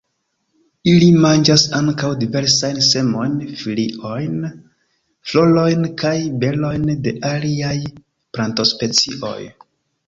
Ili manĝas ankaŭ diversajn semojn, foliojn, florojn kaj berojn de aliaj plantospecioj.